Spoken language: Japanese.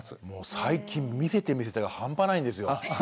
最近「見せて見せて」が半端ないんですよ。